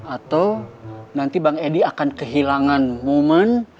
atau nanti bang edi akan kehilangan momen